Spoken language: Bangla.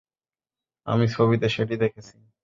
আমি ছবিতে সেটি দেখেছি।